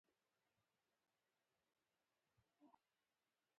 نفت د افغانستان د ځایي اقتصادونو بنسټ دی.